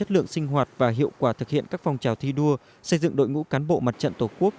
lượng sinh hoạt và hiệu quả thực hiện các phong trào thi đua xây dựng đội ngũ cán bộ mặt trận tổ quốc